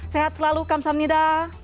sehat selalu kamsahamnida